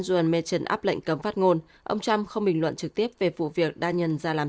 juan mechen áp lệnh cấm phát ngôn ông trump không bình luận trực tiếp về vụ việc daniel ra làm